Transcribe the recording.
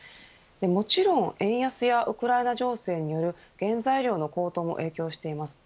もちろん円安やウクライナ情勢による原材料の高騰も影響しています。